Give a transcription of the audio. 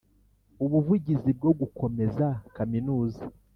ubuvugizi bwo gukomeza Kaminuza